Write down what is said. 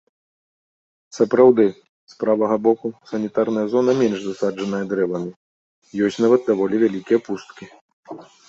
Сапраўды, з правага боку санітарная зона менш засаджаная дрэвамі, ёсць нават даволі вялікія пусткі.